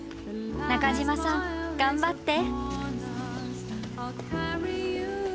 中島さん頑張って！